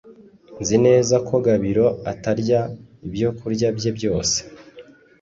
Nzi neza ko Gabiro atarya ibyokurya bye byose